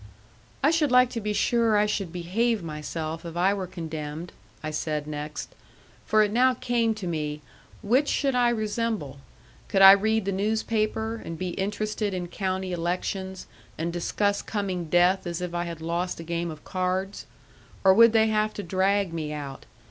"I should like to be sure I should behave myself if I were condemned," I said next. For it now came to me which should I resemble? Could I read the newspaper, and be interested in county elections, and discuss coming death as if I had lost a game of cards? Or would they have to drag me out?